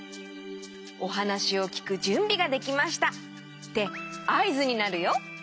おはなしをきくじゅんびができましたってあいずになるよ。